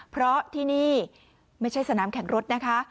เพราะที่นี่ไม่ใช่สนามแข่งรถนะคะ